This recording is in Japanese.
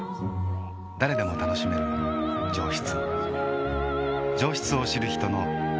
誰でも楽しめる上質。